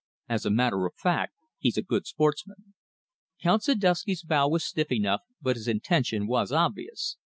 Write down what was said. As a matter of fact, he's a good sportsman." Count Ziduski's bow was stiff enough but his intention was obvious.